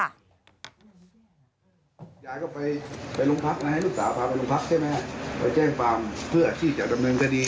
ญายก็ไปลงพักให้ลูกสาวไปลงพักใช่ไหม